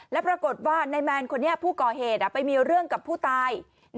แล้วปรากฏว่านายแมนคนนี้ผู้ก่อเหตุไปมีเรื่องกับผู้ตาย